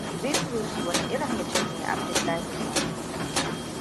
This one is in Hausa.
Bitrus wane irin mutum ne Abdullahison?